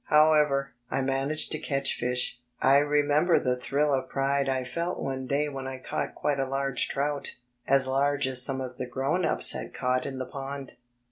However, I managed to catch fish. I remember the thrill of pride I felt one day when I caught quite a large trout, as large as some of the grown ups had caught in the pond.